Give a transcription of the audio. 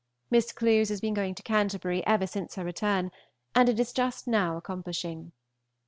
Miss Clewes has been going to Canty. ever since her return, and it is now just accomplishing.